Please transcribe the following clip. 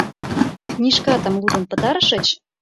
Книжкатым лудын пытарышыч?